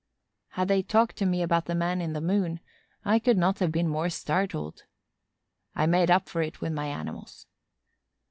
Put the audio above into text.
Had they talked to me about the man in the moon, I could not have been more startled. I made up for it with my animals.